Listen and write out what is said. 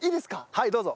はいどうぞ。